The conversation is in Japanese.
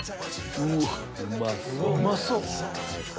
うまそう！